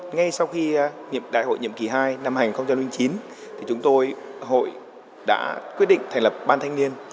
ngay sau khi nhiệm đại hội nhiệm kỳ hai năm hai nghìn chín chúng tôi hội đã quyết định thành lập ban thanh niên